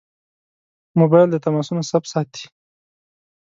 موبایل د تماسونو ثبت ساتي.